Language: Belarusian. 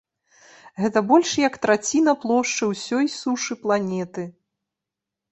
Гэта больш як траціна плошчы ўсёй сушы планеты.